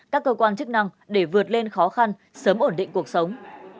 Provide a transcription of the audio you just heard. các cơ quan chức năng để vượt lên khó khăn sớm ổn định cuộc sống